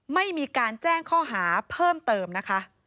ไม่มีการแจ้งข้อหาเพิ่มเติมนะคะ